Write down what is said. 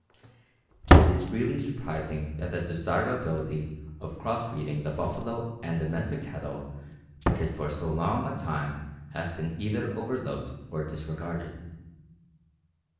It is really surprising that the desirability of cross breeding the buffalo and domestic cattle should for so long a time have been either overlooked or disregarded.